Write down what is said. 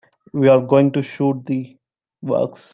We're going to shoot the works.